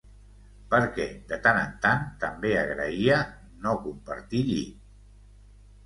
Perquè, de tant en tant, també agraïa no compartir llit.